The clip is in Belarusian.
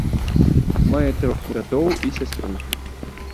Мае трох братоў і сястру.